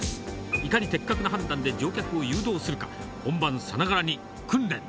いかに的確な判断で乗客を誘導するか、本番さながらに訓練。